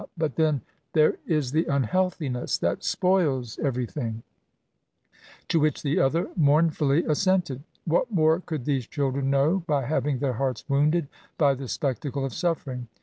but then, there is the unhealthinessl that spoils every* c3 B4t. ESSAT8. thing !" To which the other mournfully assented. What more could these children know by haying their hearts wounded by the spectacle of suffering